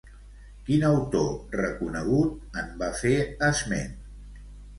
Quin autor reconegut en va fer esment?